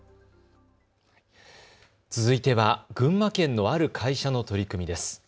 続いては群馬県のある会社の取り組みです。